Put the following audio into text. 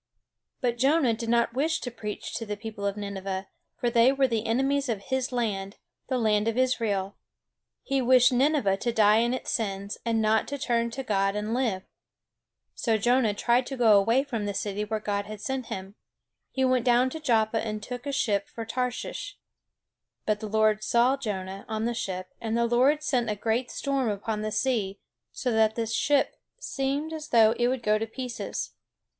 But Jonah did not wish to preach to the people of Nineveh; for they were the enemies of his land, the land of Israel. He wished Nineveh to die in its sins, and not to turn to God and live. So Jonah tried to go away from the city where God had sent him. He went down to Joppa and took a ship for Tarshish. But the Lord saw Jonah on the ship; and the Lord sent a great storm upon the sea, so that the ship seemed as though it would go to pieces.